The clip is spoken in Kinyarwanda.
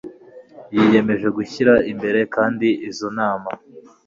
yiyemeje gushyira imbere kandi izo nama